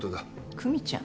久実ちゃん？